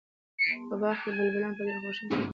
په باغ کې بلبلان په ډېره خوښۍ سره ناست دي.